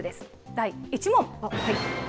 第１問。